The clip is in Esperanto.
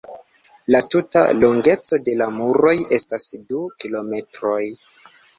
La tuta longeco de la muroj estas du kilometroj.